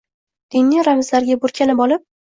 Diniy ramzlarga burkanib olib